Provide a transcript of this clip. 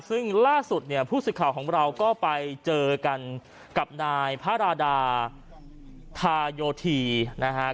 ซึ่งล่าสุดเนี่ยผู้สื่อข่าวของเราก็ไปเจอกันกับนายพระราดาธาโยธีนะฮะ